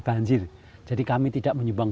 banjir jadi kami tidak menyumbang